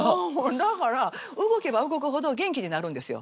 だから動けば動くほど元気になるんですよ。